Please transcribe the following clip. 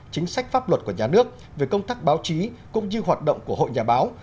chính sách pháp luật của nhà nước về công tác báo chí cũng như hoạt động của hội nhà báo